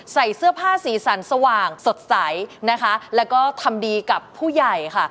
ใส่เสื้อผ้าสีสันสว่างสดใสนะคะแล้วก็ทำดีกับผู้ใหญ่ค่ะ